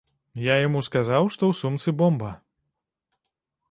Я яму сказаў, што ў сумцы бомба.